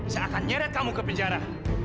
saya akan nyeret kamu ke penjara